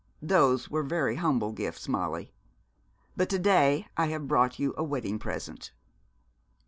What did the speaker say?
'Those were very humble gifts, Molly: but to day I have brought you a wedding present.'